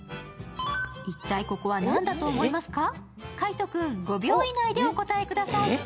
一体ここは何だと思いますか海音君、５秒以内で答えてください。